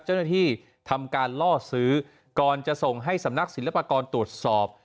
เจ้าหน้าที่ทำการล่อซื้อก่อนจะส่งให้สำนักศิลปากรตรวจสอบ